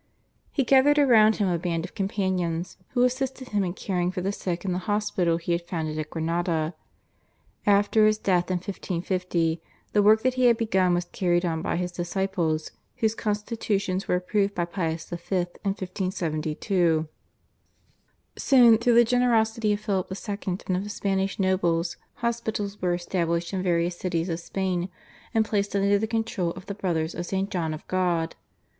He gathered around him a band of companions who assisted him in caring for the sick in the hospital he had founded at Granada. After his death in 1550 the work that he had begun was carried on by his disciples, whose constitutions were approved by Pius V. in 1572. Soon through the generosity of Philip II. and of the Spanish nobles hospitals were established in various cities of Spain, and placed under the control of the Brothers of St. John of God.